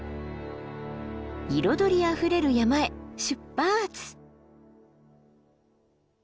彩りあふれる山へ出発。